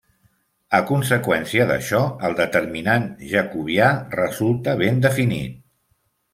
A conseqüència d'això el determinant jacobià resulta ben definit.